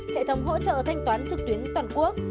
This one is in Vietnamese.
hệ thống hỗ trợ thanh toán trực tuyến toàn quốc